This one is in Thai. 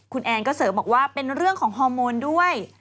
คุณแอนก็เสริมบอกว่าเป็นเรื่องของฮอร์โมนด้วย